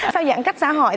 sau giãn cách xã hội